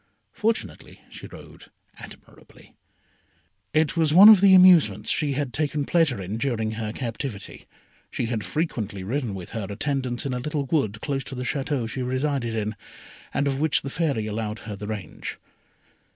Fortunately she rode admirably. It was one of the amusements she had taken pleasure in during her captivity. She had frequently ridden with her attendants in a little wood close to the Château she resided in, and of which the Fairy allowed her the range.